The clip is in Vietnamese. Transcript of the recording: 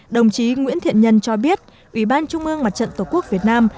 đồng chí nguyễn thiện nhân cho biết ủy ban trung ương mặt trận tổ quốc việt nam